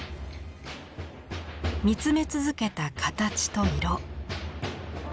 見つめ続けた形と色。